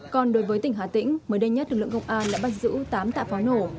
còn đối với tỉnh hà tĩnh mới đây nhất lực lượng công an đã bắt giữ tám tạ pháo nổ